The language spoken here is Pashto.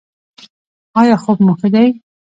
ایا خوب مو ښه دی؟